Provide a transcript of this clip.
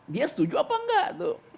dia setuju apa enggak